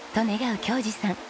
恭嗣さん。